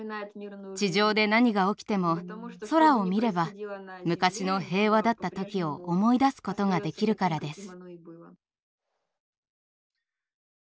地上で何が起きても空を見れば昔の平和だった時を思い出すことができるからです。